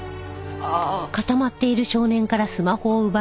ああ。